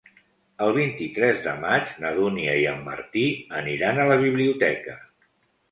El vint-i-tres de maig na Dúnia i en Martí aniran a la biblioteca.